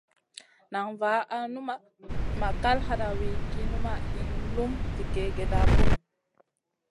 Nan var al numaʼ ma kal hadawi ki numaʼ hin lum zi kègèda bunu.